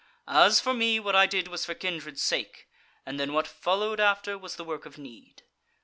As for me, what I did was for kindred's sake, and then what followed after was the work of need.